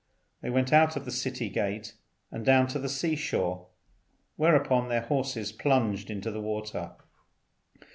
They went out of the city gate and down to the sea shore, whereupon their horses plunged into the water.